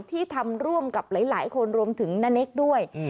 ที่ทำร่วมกับหลายคนรวมถึงณเนคด้วย